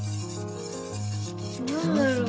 何だろう？